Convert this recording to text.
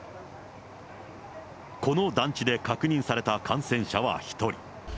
この団地で確認された感染者は１人。